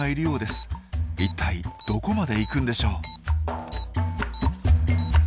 一体どこまで行くんでしょう？